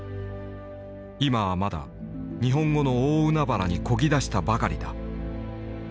「今はまだ日本語の大海原にこぎ出したばかりだ。